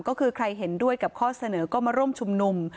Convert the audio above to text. ก็คือใครเห็นด้วยกับข้อเสนอก็มาร่วมชุมนุม